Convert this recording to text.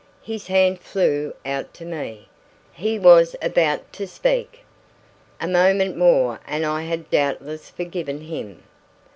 His hand flew out to me. He was about to speak. A moment more and I had doubtless forgiven him.